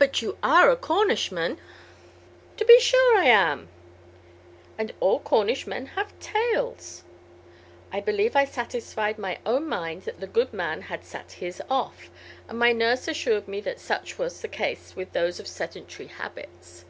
"But you are a Cornishman?" "To be sure I am." "And all Cornishmen have tails." I believe I satisfied my own mind that the good man had sat his off, and my nurse assured me that such was the case with those of sedentary habits.